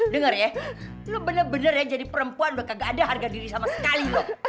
dengar ya lo bener bener ya jadi perempuan udah gak ada harga diri sama sekali loh